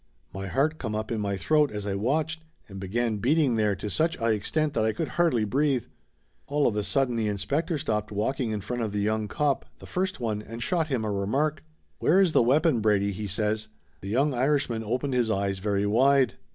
My heart come up in my throat as I watched, and began beating there to such a extent that I could hardly breathe. All of a sudden the in spector stopped walking in front of the young cop, the first one, and shot him a remark. "Where is the weapon, Brady?" he says. The young Irishman opened his eyes very wide.